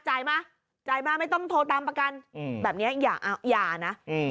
จ่ายมาจ่ายมาไม่ต้องโทรตามประกันอืมแบบเนี้ยอย่าอย่านะอืม